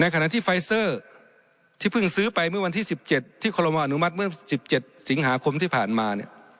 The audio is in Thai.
ขณะที่ไฟเซอร์ที่เพิ่งซื้อไปเมื่อวันที่๑๗ที่คอลโมอนุมัติเมื่อ๑๗สิงหาคมที่ผ่านมา